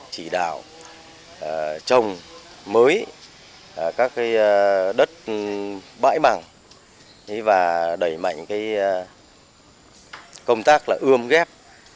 chỉ đạo trồng mới các đất bãi bằng và đẩy mạnh công tác ươm ghép